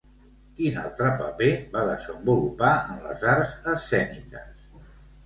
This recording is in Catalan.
Quin altre paper va desenvolupar en les arts escèniques?